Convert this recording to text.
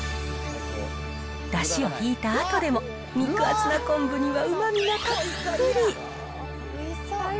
だしをひいたあとでも、肉厚な昆布にはうまみがたっぷり。